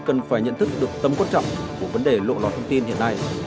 cần phải nhận thức được tấm quan trọng của vấn đề lộ lọt thông tin hiện nay